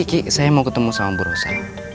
gigi saya mau ketemu sama bu rosa